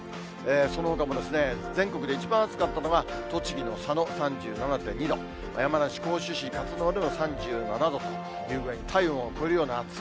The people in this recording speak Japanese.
そのほかも、全国で一番暑かったのは、栃木の佐野３７．２度、山梨・甲州市勝沼でも、３７度という具合に、体温を超えるような暑さ。